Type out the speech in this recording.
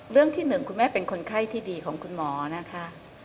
เรื่องที่๑คุณแม่เป็นคนไข้ที่ดีของคุณหมอนะคะ